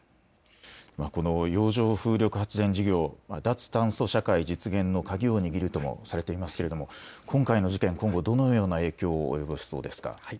この洋上風力発電事業、脱炭素社会実現の鍵を握るともされていますが今回の事件、今後どのような影響を及ぼしそうですか。